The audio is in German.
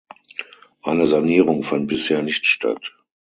Eine Sanierung fand bisher nicht statt.